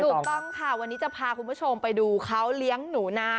ถูกต้องค่ะวันนี้จะพาคุณผู้ชมไปดูเขาเลี้ยงหนูนา